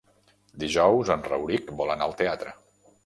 Dijous en Rauric vol anar al teatre.